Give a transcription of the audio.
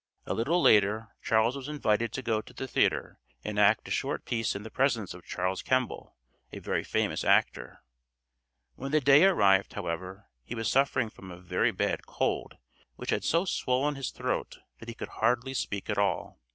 A little later Charles was invited to go to the theatre and act a short piece in the presence of Charles Kemble, a very famous actor. When the day arrived, however, he was suffering from a very bad cold which had so swollen his throat that he could hardly speak at all.